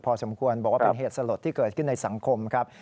บอกว่าเป็นเหตุสลดที่เกิดขึ้นในสังคมครับ